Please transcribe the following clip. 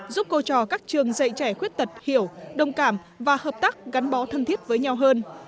giúp cô trò các trường dạy trẻ khuyết tật hiểu đồng cảm và hợp tác gắn bó thân thiết với nhau hơn